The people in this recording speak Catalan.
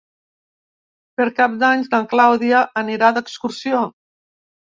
Per Cap d'Any na Clàudia anirà d'excursió.